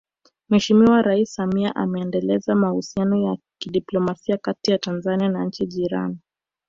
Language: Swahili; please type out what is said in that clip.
Mheshimiwa Rais Samia ameendeleza mahusiano ya kidiplomasia kati ya Tanzania na nchi jirani